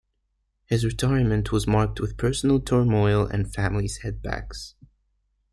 His retirement was marked with personal turmoil and family setbacks.